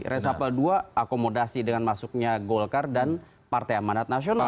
resapel dua akomodasi dengan masuknya golkar dan partai amanat nasional